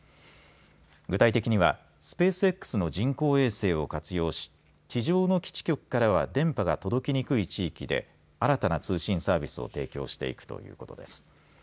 具体的にはスペースＸの人工衛星を活用し地上の基地局からは電波が届きにくい地域で新たな通信サービスを提供していくということです。